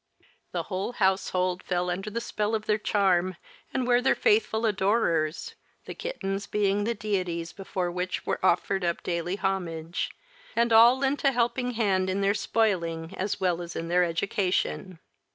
The whole household fell under the spell of their charm and were their faithful adorers, the kittens being the deities before which were offered up daily homage, and all lent a helping hand in their "spoiling" as well as in their education.